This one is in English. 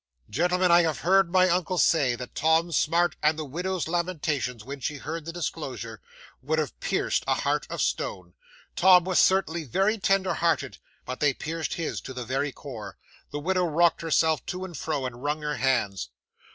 'Gentlemen, I have heard my uncle say, that Tom Smart said the widow's lamentations when she heard the disclosure would have pierced a heart of stone. Tom was certainly very tender hearted, but they pierced his, to the very core. The widow rocked herself to and fro, and wrung her hands.